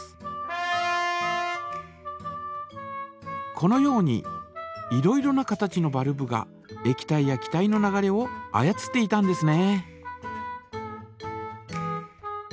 このようにいろいろな形のバルブがえき体や気体の流れを操っていたんですね。